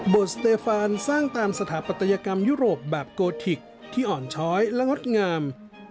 สเตฟานสร้างตามสถาปัตยกรรมยุโรปแบบโกธิกที่อ่อนช้อยและงดงาม